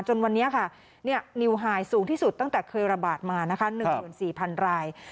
จนวันนี้ค่ะนิวไฮสูงที่สุดตั้งแต่เคยระบาดมานะคะ๑๔๐๐๐ราย